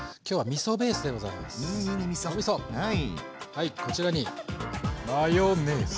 はいこちらにマヨネーズ。